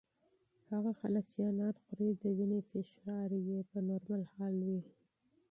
هغه خلک چې انار خوري د وینې فشار یې په نورمال حال وي.